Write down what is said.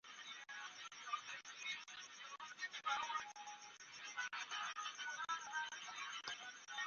Ekiteeso ekibikakasa ky’aleetebwa Mukulu Lukooya Adamu Swayibu n’asembebwa Nalumansi Lovinsa.